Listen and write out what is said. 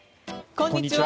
こんにちは。